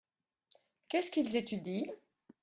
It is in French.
Qu’est-ce qu’ils étudient ?